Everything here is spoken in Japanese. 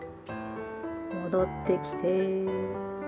戻ってきて。